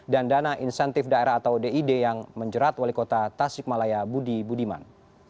dan dana insentif daerah atau did yang menjerat oleh kota tasikmalaya budi budiman